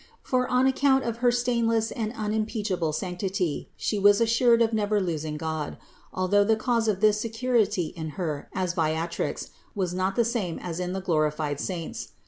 For on account of her stainless and unimpeachable sanctity She was assured of never losing God; although the cause of this security in Her as Viatrix was not the same as in the glorified saints.